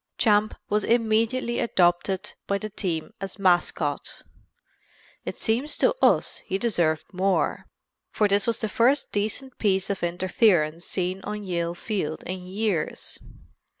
Champ was immediately adopted by the team as mascot. It seems to us he deserved more, for this was the first decent piece of interference seen on Yale field in years.